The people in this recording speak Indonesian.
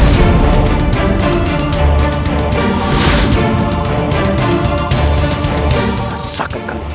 terimalah kesaktian dari sepi kembar